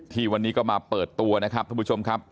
ที่วันนี้ก็มาเปิดตัวนะครับท่านผู้ชมครับ